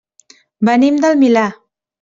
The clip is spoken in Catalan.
Venim del Milà.